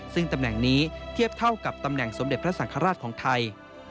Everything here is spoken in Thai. ซึ่งตำแหน่งนี้เทียบเท่ากับตำแหน่งสมเด็จพระสังฆราชของไทย